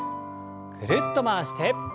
ぐるっと回して。